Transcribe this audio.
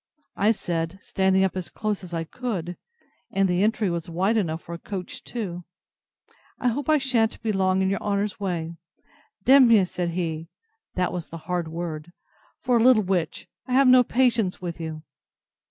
I said, standing up as close as I could, (and the entry was wide enough for a coach too,) I hope I shan't be long in your honour's way. D—mn you! said he, (that was the hard word,) for a little witch; I have no patience with you.